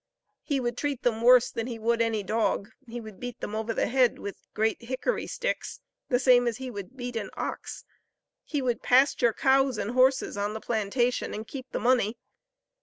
"He would treat them worse than he would any dog; would beat them over the head with great hickory sticks, the same as he would beat an ox. He would pasture cows and horses on the plantation, and keep the money.